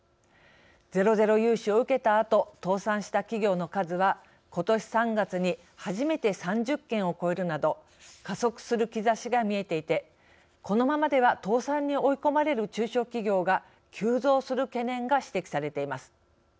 ゼロゼロ融資を受けたあと倒産した企業の数はことし３月に初めて３０件を超えるなど加速する兆しが見えていてこのままでは倒産に追い込まれる中小企業が急増する懸念が指摘されています。